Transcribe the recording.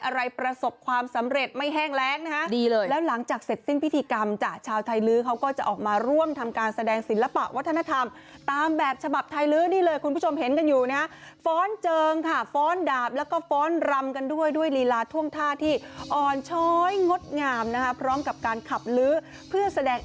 อะไรประสบความสำเร็จไม่แห้งแรงนะฮะดีเลยแล้วหลังจากเสร็จสิ้นพิธีกรรมจ้ะชาวไทยลื้อเขาก็จะออกมาร่วมทำการแสดงศิลปะวัฒนธรรมตามแบบฉบับไทยลื้อนี่เลยคุณผู้ชมเห็นกันอยู่นะฮะฟ้อนเจิงค่ะฟ้อนดาบแล้วก็ฟ้อนรำกันด้วยด้วยลีลาท่วงท่าที่อ่อนช้อยงดงามนะคะพร้อมกับการขับลื้อเพื่อแสดง